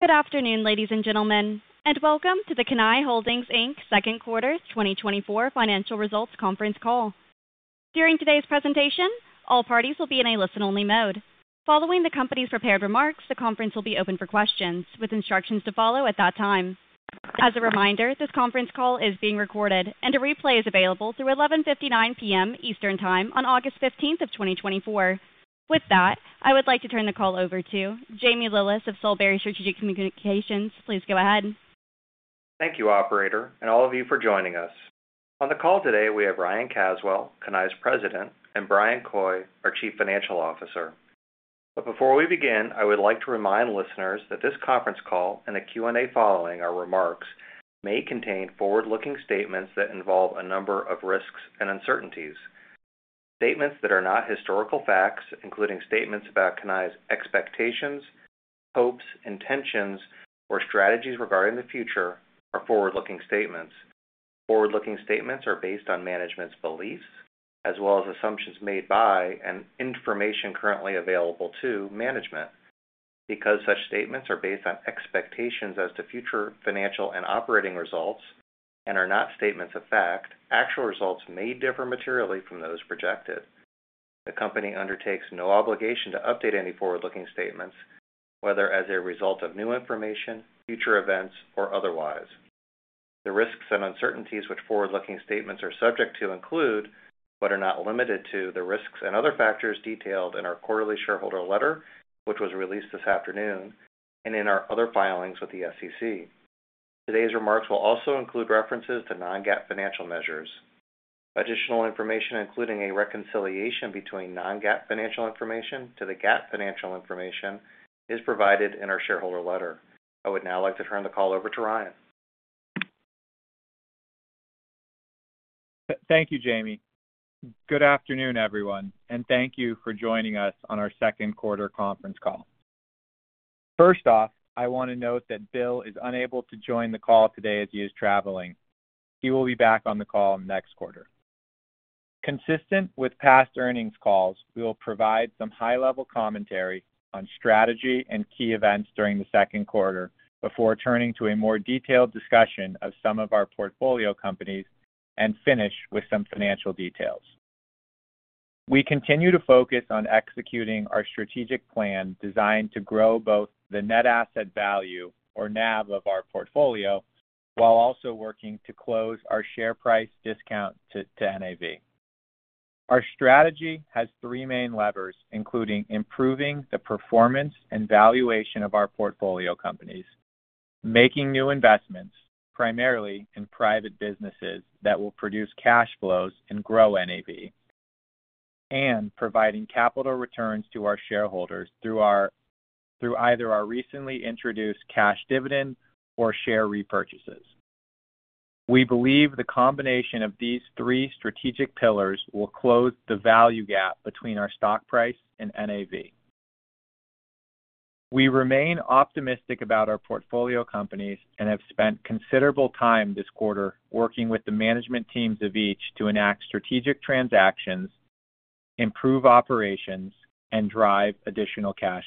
Good afternoon, ladies and gentlemen, and welcome to the Cannae Holdings, Inc.'s second quarter 2024 financial results conference call. During today's presentation, all parties will be in a listen-only mode. Following the company's prepared remarks, the conference will be open for questions, with instructions to follow at that time. As a reminder, this conference call is being recorded, and a replay is available through 11:59 P.M. Eastern Time on August 15th of 2024. With that, I would like to turn the call over to Jamie Lillis of Solebury Strategic Communications. Please go ahead. Thank you, Operator, and all of you for joining us. On the call today, we have Ryan Caswell, Cannae's President, and Bryan Coy, our Chief Financial Officer. Before we begin, I would like to remind listeners that this conference call and the Q&A following our remarks may contain forward-looking statements that involve a number of risks and uncertainties. Statements that are not historical facts, including statements about Cannae's expectations, hopes, intentions, or strategies regarding the future, are forward-looking statements. Forward-looking statements are based on management's beliefs as well as assumptions made by and information currently available to management. Because such statements are based on expectations as to future financial and operating results and are not statements of fact, actual results may differ materially from those projected. The company undertakes no obligation to update any forward-looking statements, whether as a result of new information, future events, or otherwise. The risks and uncertainties which forward-looking statements are subject to include, but are not limited to, the risks and other factors detailed in our quarterly shareholder letter, which was released this afternoon, and in our other filings with the SEC. Today's remarks will also include references to non-GAAP financial measures. Additional information, including a reconciliation between non-GAAP financial information to the GAAP financial information, is provided in our shareholder letter. I would now like to turn the call over to Ryan. Thank you, Jamie. Good afternoon, everyone, and thank you for joining us on our second quarter conference call. First off, I want to note that Bill is unable to join the call today as he is traveling. He will be back on the call next quarter. Consistent with past earnings calls, we will provide some high-level commentary on strategy and key events during the second quarter before turning to a more detailed discussion of some of our portfolio companies and finish with some financial details. We continue to focus on executing our strategic plan, designed to grow both the net asset value, or NAV, of our portfolio, while also working to close our share price discount to NAV. Our strategy has three main levers, including improving the performance and valuation of our portfolio companies, making new investments, primarily in private businesses that will produce cash flows and grow NAV, and providing capital returns to our shareholders through either our recently introduced cash dividend or share repurchases. We believe the combination of these three strategic pillars will close the value gap between our stock price and NAV. We remain optimistic about our portfolio companies and have spent considerable time this quarter working with the management teams of each to enact strategic transactions, improve operations, and drive additional cash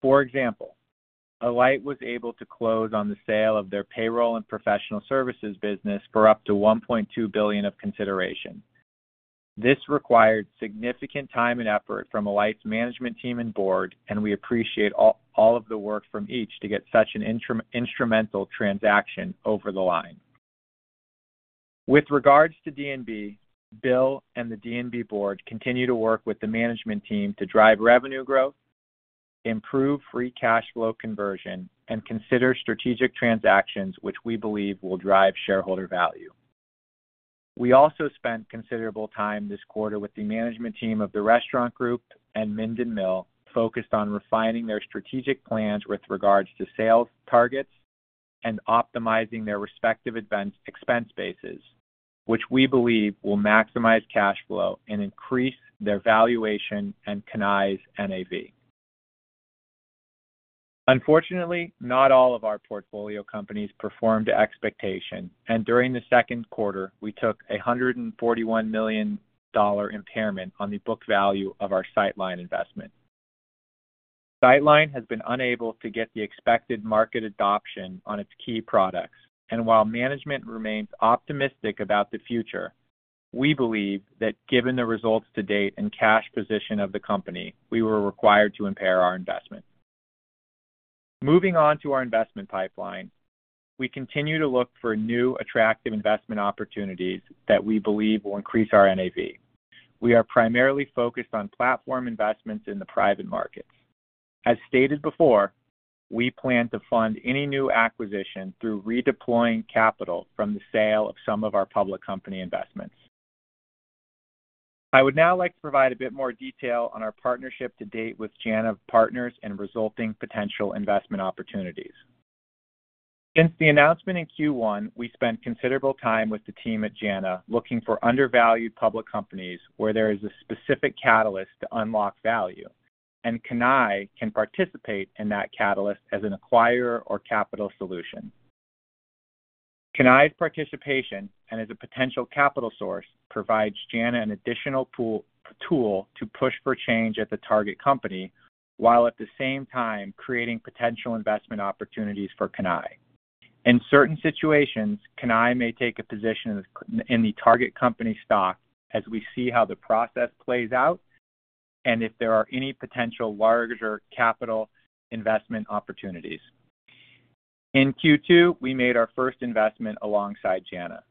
flow. For example, Alight was able to close on the sale of their payroll and professional services business for up to $1.2 billion of consideration. This required significant time and effort from Alight's management team and Board, and we appreciate all of the work from each to get such an instrumental transaction over the line. With regards to D&B, Bill and the D&B Board continue to work with the management team to drive revenue growth, improve free cash flow conversion, and consider strategic transactions which we believe will drive shareholder value. We also spent considerable time this quarter with the management team of the Restaurant Group and Minden Mill, focused on refining their strategic plans with regards to sales targets and optimizing their respective expense bases, which we believe will maximize cash flow and increase their valuation and Cannae's NAV. Unfortunately, not all of our portfolio companies performed to expectation, and during the second quarter, we took a $141 million impairment on the book value of our Sightline investment. Sightline has been unable to get the expected market adoption on its key products, and while management remains optimistic about the future, we believe that given the results to date and cash position of the company, we were required to impair our investment. Moving on to our investment pipeline, we continue to look for new, attractive investment opportunities that we believe will increase our NAV. We are primarily focused on platform investments in the private markets. As stated before, we plan to fund any new acquisition through redeploying capital from the sale of some of our public company investments. I would now like to provide a bit more detail on our partnership to date with JANA Partners and resulting potential investment opportunities. Since the announcement in Q1, we spent considerable time with the team at JANA looking for undervalued public companies where there is a specific catalyst to unlock value, and Cannae can participate in that catalyst as an acquirer or capital solution. Cannae's participation, and as a potential capital source, provides JANA an additional tool to push for change at the target company, while at the same time creating potential investment opportunities for Cannae. In certain situations, Cannae may take a position in the target company stock as we see how the process plays out and if there are any potential larger capital investment opportunities. In Q2, we made our first investment alongside JANA.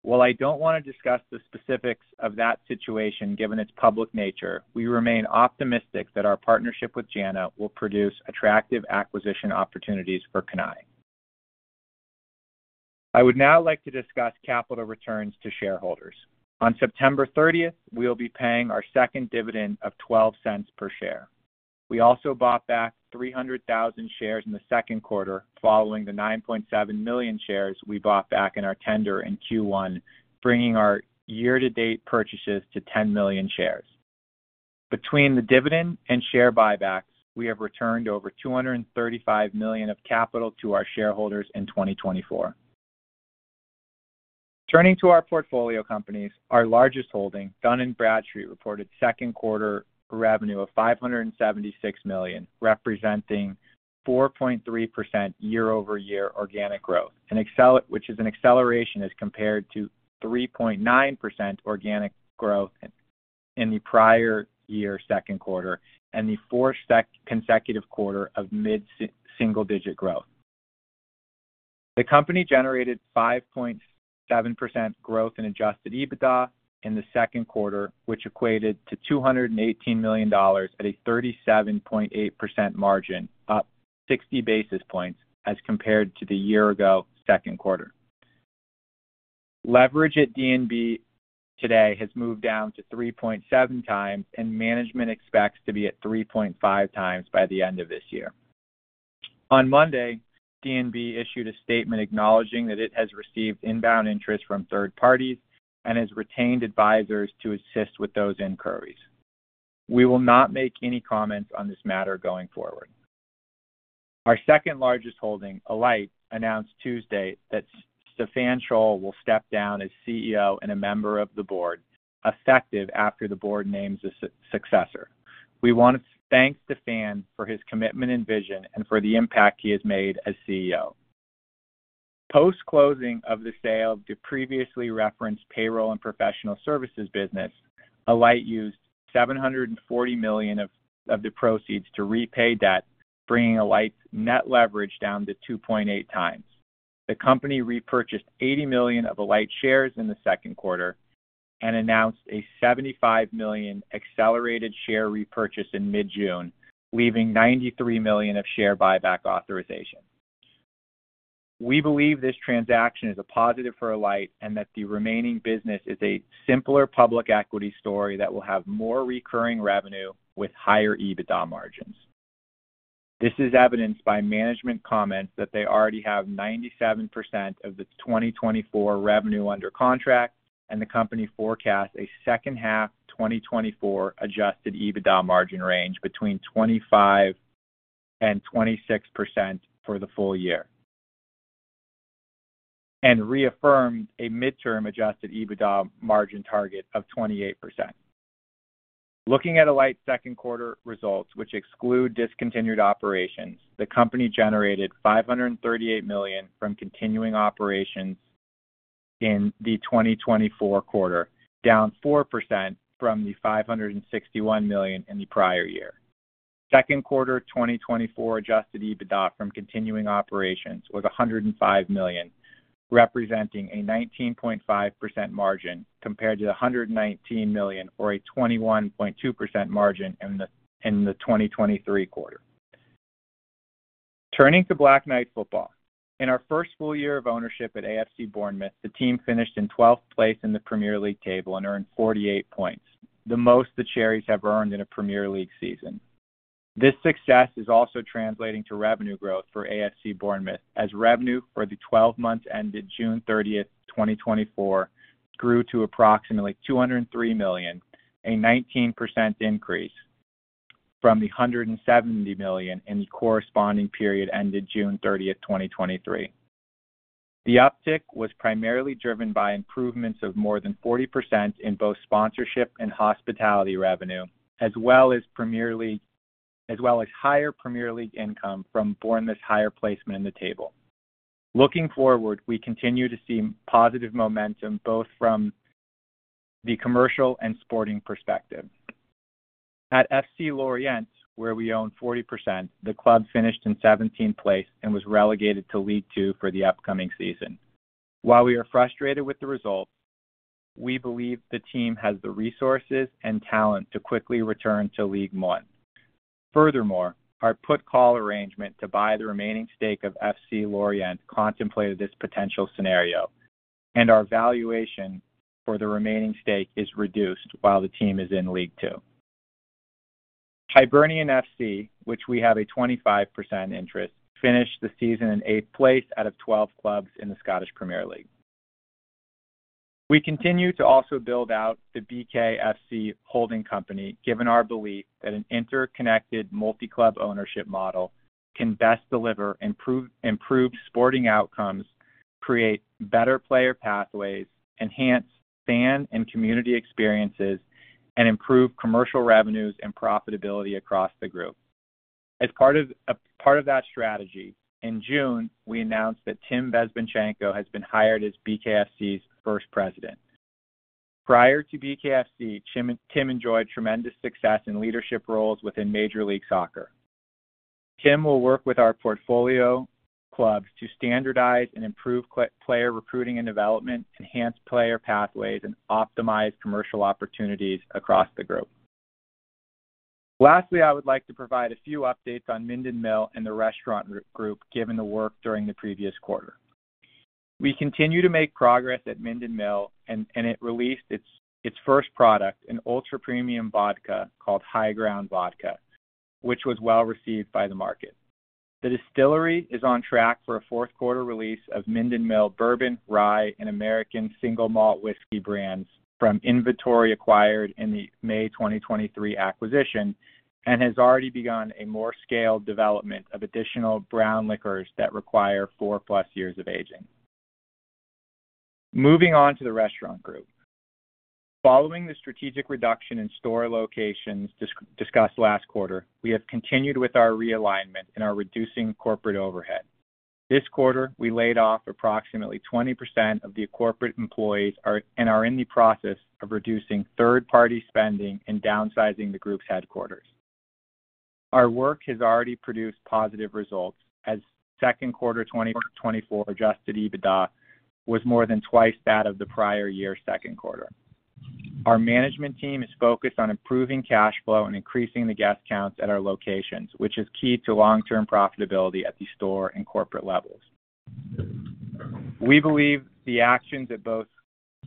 While I don't want to discuss the specifics of that situation, given its public nature, we remain optimistic that our partnership with JANA will produce attractive acquisition opportunities for Cannae. I would now like to discuss capital returns to shareholders. On September 30th, we will be paying our second dividend of $0.12 per share. We also bought back 300,000 shares in the second quarter, following the 9.7 million shares we bought back in our tender in Q1, bringing our year-to-date purchases to 10 million shares. Between the dividend and share buybacks, we have returned over $235 million of capital to our shareholders in 2024. Turning to our portfolio companies, our largest holding, Dun & Bradstreet, reported second quarter revenue of $576 million, representing 4.3% year-over-year organic growth, and which is an acceleration as compared to 3.9% organic growth in the prior year second quarter, and the fourth consecutive quarter of single-digit growth. The company generated 5.7% growth in adjusted EBITDA in the second quarter, which equated to $218 million at a 37.8% margin, up 60 basis points as compared to the year ago second quarter. Leverage at D&B today has moved down to 3.7x, and management expects to be at 3.5x by the end of this year. On Monday, D&B issued a statement acknowledging that it has received inbound interest from third parties and has retained advisors to assist with those inquiries. We will not make any comments on this matter going forward. Our second-largest holding, Alight, announced Tuesday that Stephan Scholl will step down as CEO and a Member of the Board, effective after the Board names a successor. We want to thank Stephan for his commitment and vision and for the impact he has made as CEO. Post-closing of the sale of the previously referenced payroll and professional services business, Alight used $740 million of the proceeds to repay debt, bringing Alight's net leverage down to 2.8x. The company repurchased $80 million of Alight shares in the second quarter and announced a $75 million accelerated share repurchase in mid-June, leaving $93 million of share buyback authorization. We believe this transaction is a positive for Alight and that the remaining business is a simpler public equity story that will have more recurring revenue with higher EBITDA margins. This is evidenced by management comments that they already have 97% of the 2024 revenue under contract, and the company forecasts a second half 2024 adjusted EBITDA margin range between 25% and 26% for the full year. Reaffirmed a mid-term adjusted EBITDA margin target of 28%. Looking at Alight's second quarter results, which exclude discontinued operations, the company generated $538 million from continuing operations in the 2024 quarter, down 4% from the $561 million in the prior year. Second quarter 2024 adjusted EBITDA from continuing operations was $105 million, representing a 19.5% margin, compared to $119 million, or a 21.2% margin in the 2023 quarter. Turning to Black Knight Football. In our first full year of ownership at AFC Bournemouth, the team finished in 12th place in the Premier League table and earned 48 points. The most the Cherries have earned in a Premier League season. This success is also translating to revenue growth for AFC Bournemouth, as revenue for the 12 months ended June 30th, 2024, grew to approximately $203 million, a 19% increase from the $170 million in the corresponding period ended June 30th, 2023. The uptick was primarily driven by improvements of more than 40% in both sponsorship and hospitality revenue, as well as higher Premier League income from Bournemouth's higher placement in the table. Looking forward, we continue to see positive momentum, both from the commercial and sporting perspective. At FC Lorient, where we own 40%, the club finished in 17th place and was relegated to Ligue 2 for the upcoming season. While we are frustrated with the result, we believe the team has the resources and talent to quickly return to Ligue 1. Furthermore, our put call arrangement to buy the remaining stake of FC Lorient contemplated this potential scenario, and our valuation for the remaining stake is reduced while the team is in Ligue 2. Hibernian FC, in which we have a 25% interest, finished the season in 8th place out of 12 clubs in the Scottish Premier League. We continue to also build out the BKFC holding company, given our belief that an interconnected multi-club ownership model can best deliver improved sporting outcomes, create better player pathways, enhance fan and community experiences, and improve commercial revenues and profitability across the group. As part of that strategy, in June, we announced that Tim Bezbatchenko has been hired as BKFC's first President. Prior to BKFC, Tim enjoyed tremendous success in leadership roles within Major League Soccer. Tim will work with our portfolio clubs to standardize and improve player recruiting and development, enhance player pathways, and optimize commercial opportunities across the group. Lastly, I would like to provide a few updates on Minden Mill and the Restaurant Group, given the work during the previous quarter. We continue to make progress at Minden Mill, and it released its first product, an ultra-premium vodka called High Ground Vodka, which was well-received by the market. The distillery is on track for a fourth quarter release of Minden Mill bourbon, rye, and American single-malt whiskey brands from inventory acquired in the May 2023 acquisition. And has already begun a more scaled development of additional brown liquors that require 4+ years of aging. Moving on to the Restaurant Group. Following the strategic reduction in store locations discussed last quarter, we have continued with our realignment and are reducing corporate overhead. This quarter, we laid off approximately 20% of the corporate employees and are in the process of reducing third-party spending and downsizing the group's headquarters. Our work has already produced positive results, as second quarter 2024 adjusted EBITDA was more than 2x that of the prior year's second quarter. Our management team is focused on improving cash flow and increasing the guest counts at our locations, which is key to long-term profitability at the store and corporate levels. We believe the actions at both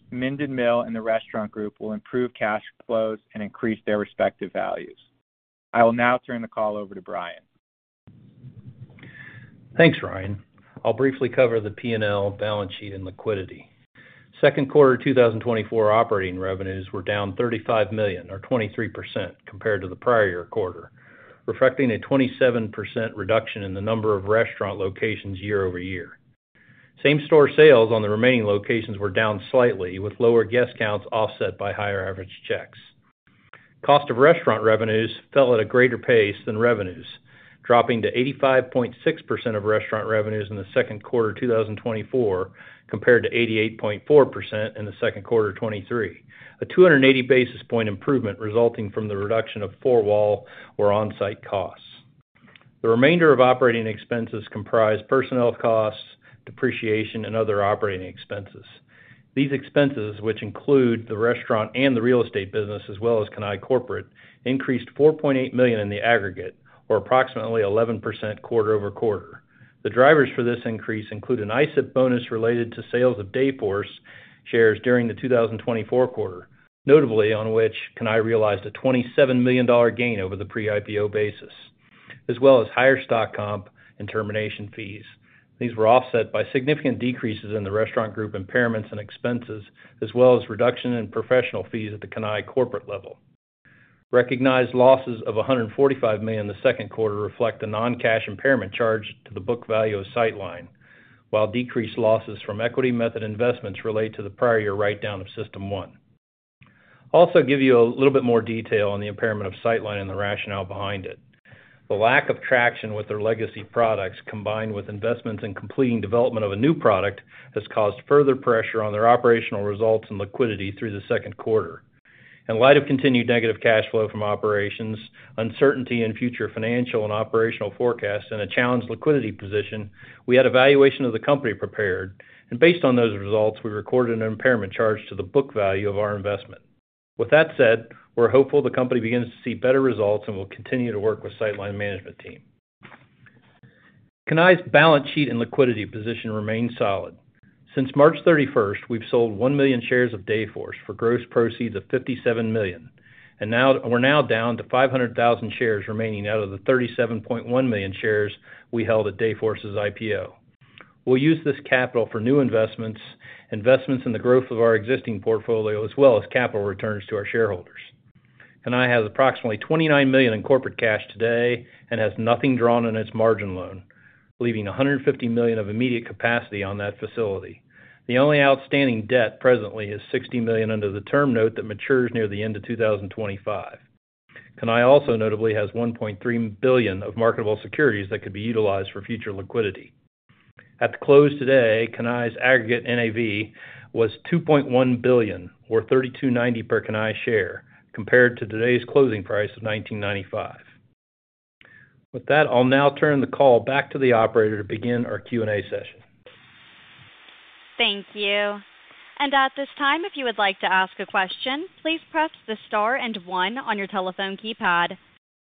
Minden Mill and the Restaurant Group will improve cash flows and increase their respective values. I will now turn the call over to Bryan. Thanks, Ryan. I'll briefly cover the P&L, balance sheet, and liquidity. Second quarter 2024 operating revenues were down $35 million, or 23%, compared to the prior year quarter, reflecting a 27% reduction in the number of restaurant locations year-over-year. Same-store sales on the remaining locations were down slightly, with lower guest counts offset by higher average checks. Cost of restaurant revenues fell at a greater pace than revenues, dropping to 85.6% of restaurant revenues in the second quarter 2024, compared to 88.4% in the second quarter 2023. A 280 basis point improvement resulting from the reduction of 4-wall or on-site costs. The remainder of operating expenses comprise personnel costs, depreciation, and other operating expenses. These expenses, which include the restaurant and the real estate business as well as Cannae Corporate, increased $4.8 million in the aggregate, or approximately 11% quarter-over-quarter. The drivers for this increase include an ISIP bonus related to sales of Dayforce shares during the 2024 quarter, notably on which Cannae realized a $27 million gain over the pre-IPO basis, as well as higher stock comp and termination fees. These were offset by significant decreases in the Restaurant Group impairments and expenses, as well as reduction in professional fees at the Cannae Corporate level. Recognized losses of $145 million in the second quarter reflect a non-cash impairment charge to the book value of Sightline, while decreased losses from equity method investments relate to the prior year write-down of System1. I'll also give you a little bit more detail on the impairment of Sightline and the rationale behind it. The lack of traction with their legacy products, combined with investments in completing development of a new product, has caused further pressure on their operational results and liquidity through the second quarter. In light of continued negative cash flow from operations, uncertainty in future financial and operational forecasts, and a challenged liquidity position, we had a valuation of the company prepared. And based on those results, we recorded an impairment charge to the book value of our investment. With that said, we're hopeful the company begins to see better results, and we'll continue to work with Sightline management team. Cannae's balance sheet and liquidity position remain solid. Since March 31st, we've sold 1 million shares of Dayforce for gross proceeds of $57 million. And now we're now down to 500,000 shares remaining out of the 37.1 million shares we held at Dayforce's IPO. We'll use this capital for new investments. Investments in the growth of our existing portfolio, as well as capital returns to our shareholders. Cannae has approximately $29 million in corporate cash today and has nothing drawn on its margin loan, leaving $150 million of immediate capacity on that facility. The only outstanding debt presently is $60 million under the term note that matures near the end of 2025. Cannae also notably has $1.3 billion of marketable securities that could be utilized for future liquidity. At the close today, Cannae's aggregate NAV was $2.1 billion, or $32.90 per Cannae share, compared to today's closing price of $19.95. With that, I'll now turn the call back to the operator to begin our Q&A session. Thank you. And at this time, if you would like to ask a question, please press the star and one on your telephone keypad.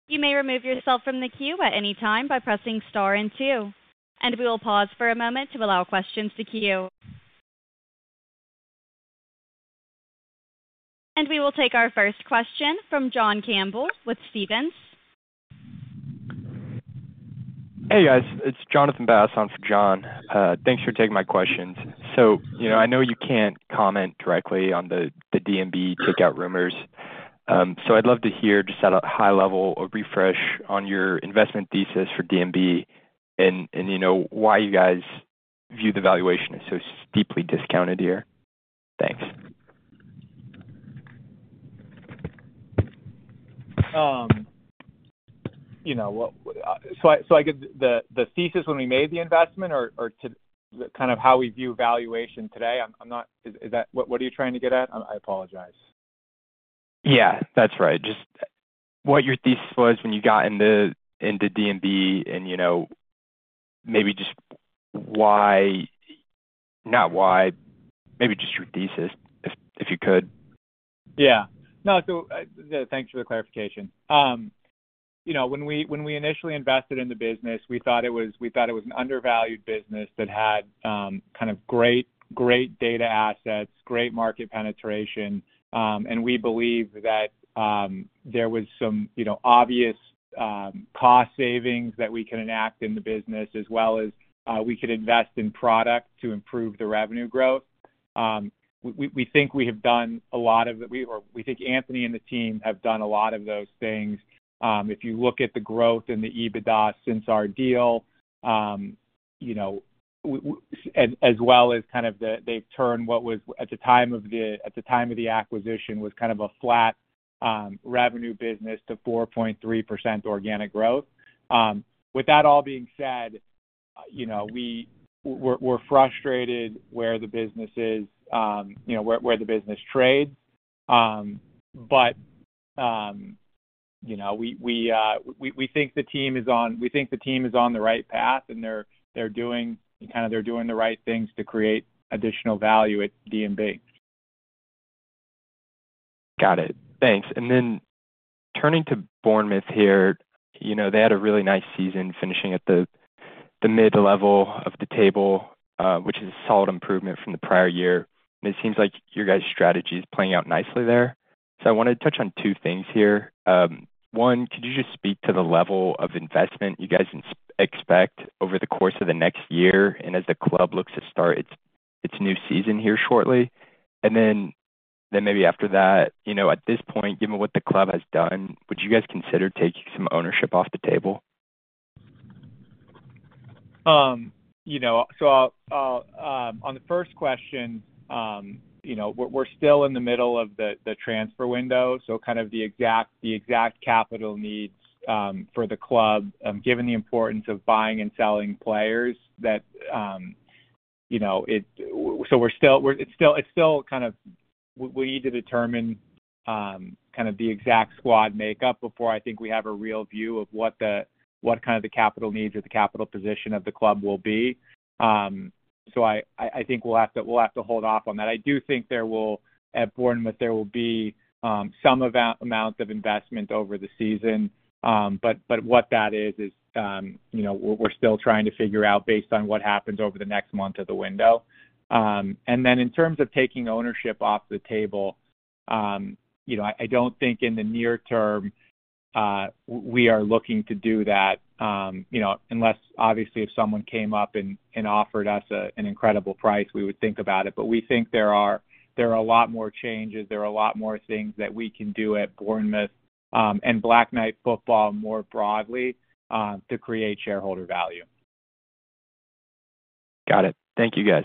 You may remove yourself from the queue at any time by pressing star and two. And we will pause for a moment to allow questions to queue. And we will take our first question from John Campbell with Stephens. Hey, guys, it's Jonathan Bass on for John. Thanks for taking my questions. So, you know, I know you can't comment directly on the D&B takeout rumors. So I'd love to hear, just at a high level, a refresh on your investment thesis for D&B and, you know, why you guys view the valuation as so steeply discounted here. Thanks. You know, what, so I get the thesis when we made the investment or to kind of how we view valuation today? I'm not— Is that— What are you trying to get at? I apologize. Yeah, that's right. Just what your thesis was when you got into D&B and, you know, maybe just why-- not why, maybe just your thesis if you could. Yeah. No, so, thanks for the clarification. You know, when we initially invested in the business, we thought it was an undervalued business that had kind of great, great data assets, great market penetration, and we believe that there was some, you know, obvious cost savings that we can enact in the business, as well as we could invest in product to improve the revenue growth. We think we have done a lot of the—we or we think Anthony and the team have done a lot of those things. If you look at the growth in the EBITDA since our deal, you know, as well as kind of the, they've turned what was, at the time of the acquisition, was kind of a flat, revenue business to 4.3% organic growth. With that all being said, you know, we're, we're frustrated where the business is, you know, where the business trades. But, you know, we think the team is on the right path, and they're doing the right things to create additional value at D&B. Got it. Thanks. And then turning to Bournemouth here, you know, they had a really nice season, finishing at the mid-level of the table, which is a solid improvement from the prior year. And it seems like your guys' strategy is playing out nicely there. So I want to touch on two things here. One, could you just speak to the level of investment you guys expect over the course of the next year and as the club looks to start its new season here shortly? And then maybe after that, you know, at this point, given what the club has done, would you guys consider taking some ownership off the table? You know, so I'll on the first question, you know, we're still in the middle of the transfer window. So kind of the exact capital needs for the club, given the importance of buying and selling players that you know so we're still, it's still kind of we need to determine kind of the exact squad makeup before I think we have a real view of what kind of the capital needs or the capital position of the club will be. So I think we'll have to hold off on that. I do think there will be at Bournemouth, there will be some amount of investment over the season. But what that is, you know, we're still trying to figure out based on what happens over the next month of the window. And then in terms of taking ownership off the table, you know, I don't think in the near term we are looking to do that, you know, unless obviously if someone came up and offered us an incredible price. We would think about it. But we think there are a lot more changes, there are a lot more things that we can do at Bournemouth, and Black Knight Football more broadly, to create shareholder value. Got it. Thank you, guys.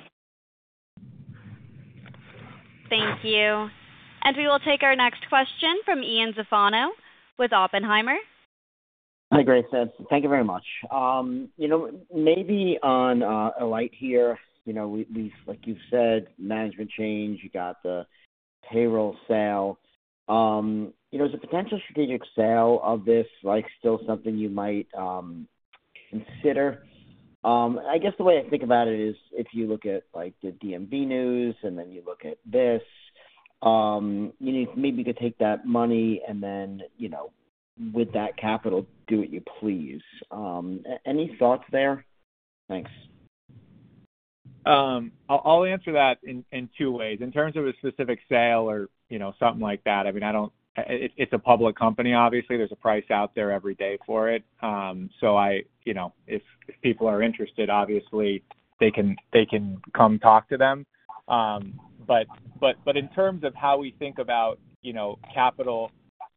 Thank you. We will take our next question from Ian Zaffino with Oppenheimer. Hi. Thank you very much. You know, maybe on Alight here, you know, we, we've—like you've said, management change, you got the payroll sale. You know, is a potential strategic sale of this, like, still something you might consider? I guess the way I think about it is, if you look at, like, the D&B news, and then you look at this. You need maybe to take that money and then, you know, with that capital, do what you please. Any thoughts there? Thanks. I'll answer that in two ways. In terms of a specific sale or, you know, something like that, I mean, I don't—it's a public company. Obviously, there's a price out there every day for it. So I, you know, if people are interested, obviously they can come talk to them. But in terms of how we think about, you know, capital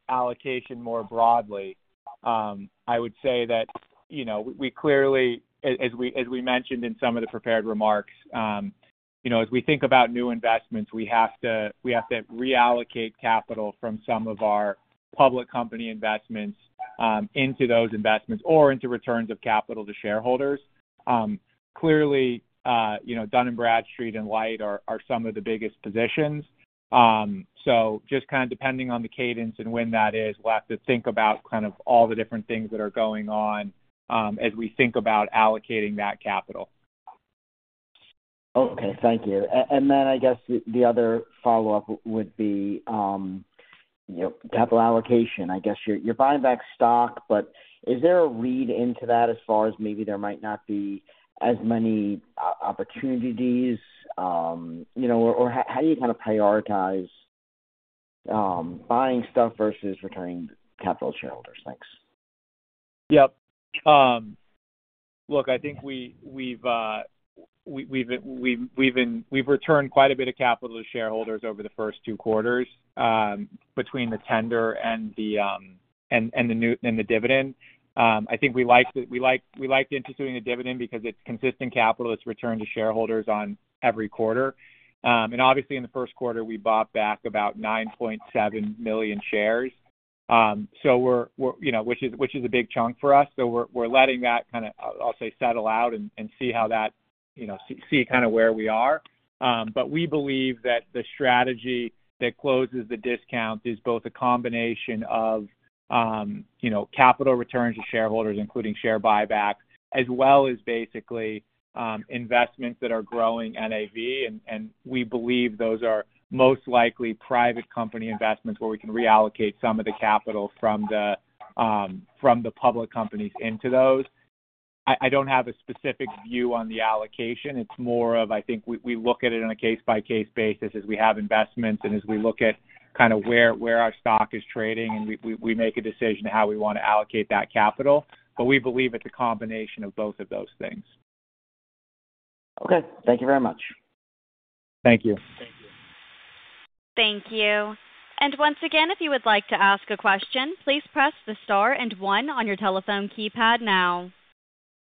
allocation more broadly, I would say that, you know, we clearly, as we mentioned in some of the prepared remarks, you know, as we think about new investments, we have to reallocate capital from some of our public company investments into those investments or into returns of capital to shareholders. Clearly, you know, Dun & Bradstreet and Alight are, are some of the biggest positions. So just kind of depending on the cadence and when that is, we'll have to think about kind of all the different things that are going on, as we think about allocating that capital. Okay. Thank you. And then I guess the other follow-up would be, you know, capital allocation. I guess you're buying back stock. But is there a read into that as far as maybe there might not be as many opportunities, you know, or how do you kind of prioritize buying stuff versus returning capital to shareholders? Thanks. Yep. Look, I think we've been-- we've returned quite a bit of capital to shareholders over the first two quarters, between the tender and the, and the new, and the dividend. I think we like to... We like, we like instituting a dividend because it's consistent capital, it's returned to shareholders on every quarter. And obviously, in the first quarter, we bought back about 9.7 million shares. So we're, we're, you know, which is, which is a big chunk for us. So we're, we're letting that kind of, I'll, I'll say, settle out and, and see how that, you know, see, see kind of where we are. But we believe that the strategy that closes the discount is both a combination of, you know, capital returns to shareholders, including share buybacks. As well as basically, investments that are growing NAV. And we believe those are most likely private company investments, where we can reallocate some of the capital from the public companies into those. I, I don't have a specific view on the allocation. It's more of, I think we, we look at it on a case-by-case basis as we have investments and as we look at kind of where, where our stock is trading, and we, we, we make a decision on how we want to allocate that capital. But we believe it's a combination of both of those things. Okay, thank you very much. Thank you. Thank you. Thank you. And once again, if you would like to ask a question, please press the star and one on your telephone keypad now.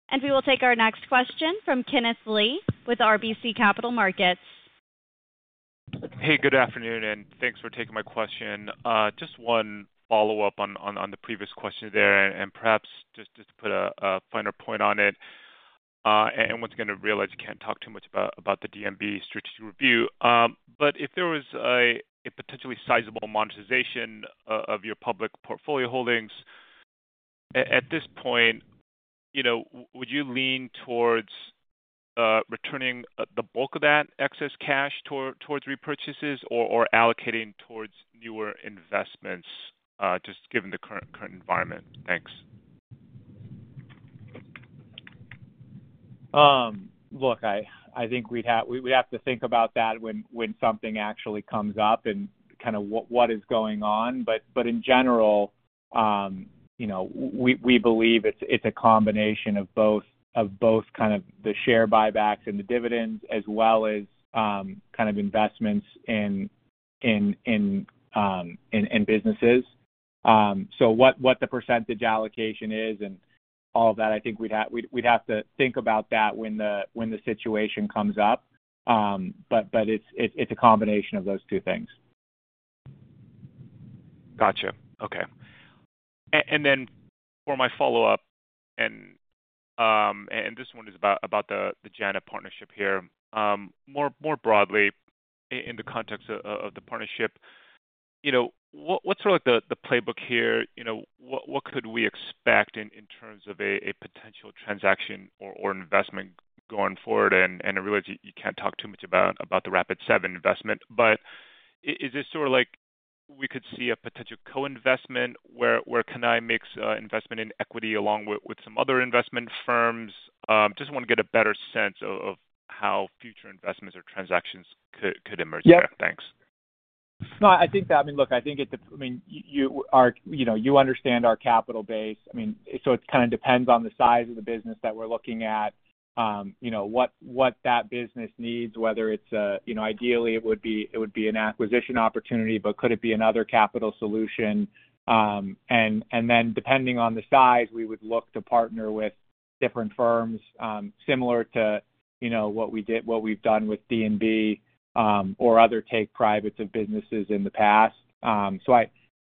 And we will take our next question from Kenneth Lee with RBC Capital Markets. Hey, good afternoon, and thanks for taking my question. Just one follow-up on the previous question there, and perhaps just to put a finer point on it. And once again, I realize you can't talk too much about the D&B strategic review. But if there was a potentially sizable monetization of your public portfolio holdings, at this point, you know, would you lean towards returning the bulk of that excess cash towards repurchases or allocating towards newer investments, just given the current environment? Thanks. Look, I think we'd have to think about that when something actually comes up and kind of what is going on. But in general, you know, we believe it's a combination of both, of both kind of the share buybacks and the dividends, as well as kind of investments in businesses. So what the percentage allocation is and all of that, I think we'd have to think about that when the situation comes up. But it's a combination of those two things. Gotcha, okay. And then for my follow-up, and this one is about the JANA partnership here. More broadly, in the context of the partnership. You know, what's sort of like the playbook here? You know, what could we expect in terms of a potential transaction or investment going forward? And I realize you can't talk too much about the Rapid7 investment, but is this sort of like we could see a potential co-investment where Cannae makes an investment in equity, along with some other investment firms? Just want to get a better sense of how future investments or transactions could emerge there. Yeah. Thanks. No, I think that. I mean, look, I think, I mean, you are—you know, you understand our capital base. I mean, so it kind of depends on the size of the business that we're looking at. You know, what that business needs, whether it's a, you know, ideally, it would be an acquisition opportunity. But could it be another capital solution? And then, depending on the size, we would look to partner with different firms. Similar to what we've done with D&B, or other take privates of businesses in the past.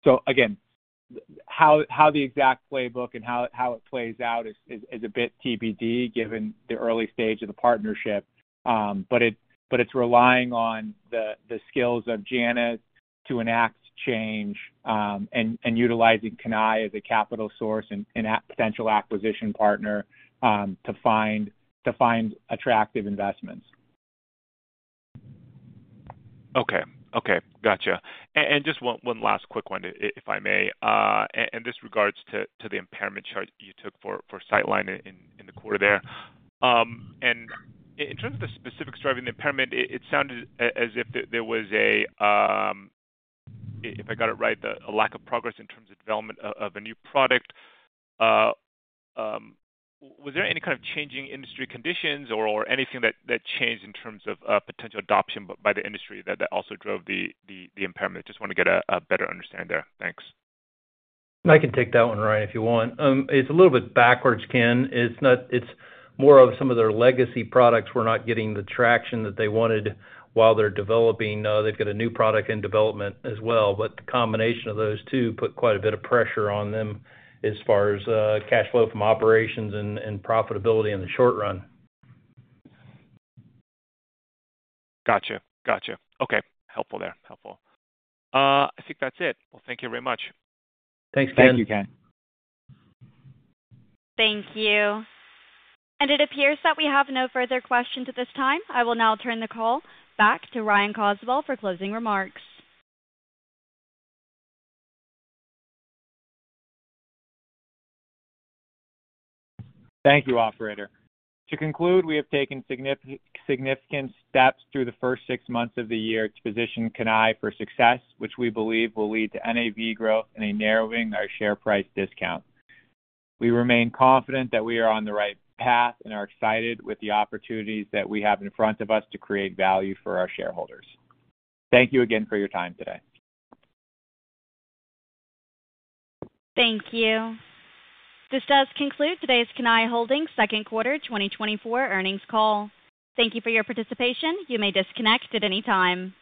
So again, how the exact playbook and how it plays out is a bit TBD, given the early stage of the partnership. But it's relying on the skills of JANA to enact change, and utilizing Cannae as a capital source and a potential acquisition partner to find attractive investments. Okay. Okay, gotcha. And just one last quick one, if I may, and this regards to the impairment charge you took for Sightline in the quarter there. And in terms of the specifics driving the impairment, it sounded as if there was a, if I got it right, a lack of progress in terms of development of a new product. Was there any kind of changing industry conditions or anything that changed in terms of potential adoption by the industry that also drove the impairment? Just want to get a better understanding there. Thanks. I can take that one, Ryan, if you want. It's a little bit backwards, Ken. It's more of some of their legacy products were not getting the traction that they wanted while they're developing. They've got a new product in development as well. But the combination of those two put quite a bit of pressure on them as far as, cash flow from operations and, and profitability in the short run. Gotcha, gotcha. Okay. Helpful there, helpful. I think that's it. Well, thank you very much. Thanks, Ken. Thank you, Ken. Thank you. It appears that we have no further questions at this time. I will now turn the call back to Ryan Caswell for closing remarks. Thank you, operator. To conclude, we have taken significant steps through the first six months of the year to position Cannae for success, which we believe will lead to NAV growth and a narrowing our share price discount. We remain confident that we are on the right path and are excited with the opportunities that we have in front of us to create value for our shareholders. Thank you again for your time today. Thank you. This does conclude today's Cannae Holdings second quarter 2024 earnings call. Thank you for your participation. You may disconnect at any time.